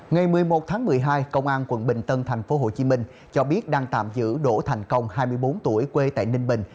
ngày một mươi một tháng một mươi hai công an quận bình tân tp hcm cho biết đang tạm giữ đỗ thành công hai mươi bốn tuổi quê tại ninh bình